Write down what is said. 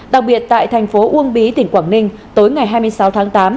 đặc biệt tại thành phố uông bí tỉnh quảng ninh tối ngày hai mươi sáu tháng tám